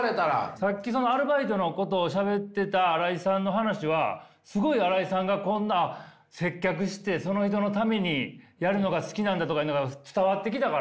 さっきそのアルバイトのことをしゃべってた新井さんの話はすごい新井さんがこんな接客してその人のためにやるのが好きなんだとかいうのが伝わってきたから。